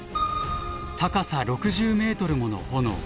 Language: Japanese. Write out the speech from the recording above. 高さ６０ｍもの炎。